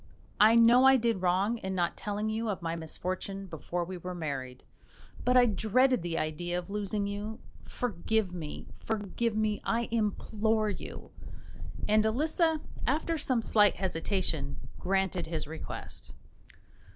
I know I did wrong in not telling you of my misfortune before we were married, but I dreaded the idea of losing you. Forgive me, forgive me, I implore you!" and Elisa, after some slight hesitation, granted his request.